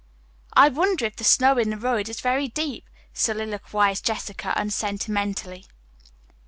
"I wonder if the snow in the road is very deep?" soliloquized Jessica unsentimentally.